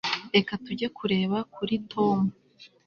Reka tujye kureba kuri Tom